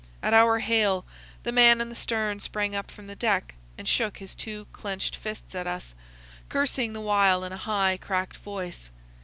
At our hail the man in the stern sprang up from the deck and shook his two clinched fists at us, cursing the while in a high, cracked voice.